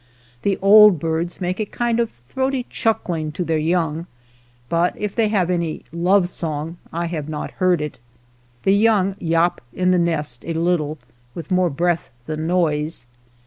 The old birds make a kind of throaty chuckling to their young, but if they have any love song I have not heard it. The young yawp in the nest a little, with more breath than noise.